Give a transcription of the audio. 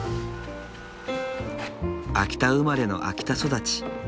秋田生まれの秋田育ち